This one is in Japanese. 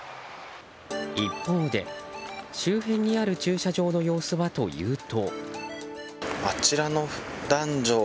一方で、周辺にある駐車場の様子はというと。